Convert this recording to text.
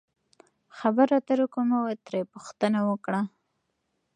خبرو اترو کښې مو ترې پوښتنه وکړه